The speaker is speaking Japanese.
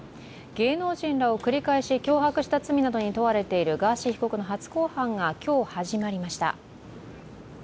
芸能人らを繰り返し脅迫した罪などに問われているガーシー被告の初公判が今日、始まりました。